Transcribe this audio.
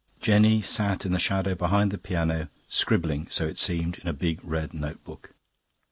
Jenny sat in the shadow behind the piano, scribbling, so it seemed, in a big red notebook.